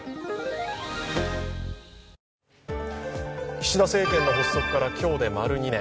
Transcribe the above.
岸田政権の発足から今日で丸２年。